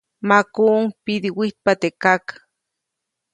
Makuʼuŋ pidiwijtpa teʼ kak.